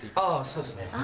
そうですね。